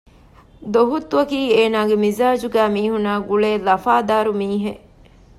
ދޮހުއްތުއަކީ އޭނާގެ މިޒާޖުގައި މީހުންނާއި ގުޅޭ ލަފާދާރު މީހެއް